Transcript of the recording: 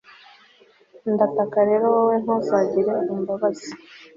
Ndataka rero Wowe ntuzagira imbabazi